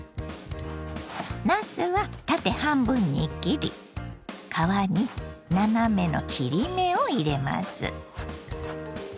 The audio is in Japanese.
なすは縦半分に切り皮に斜めの切り目を入れます。